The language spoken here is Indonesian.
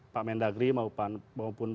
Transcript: pak mendagri maupun